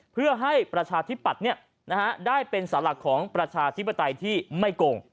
เพื่อให้ประชาธิปัตย์ได้เป็นสาวหลักของประชาธิปไตยที่ไม่โกง